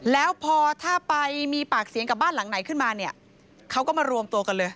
แล้วพอถ้าไปมีปากเสียงกับบ้านหลังไหนขึ้นมาเนี่ยเขาก็มารวมตัวกันเลย